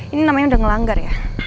ini namanya udah ngelanggar ya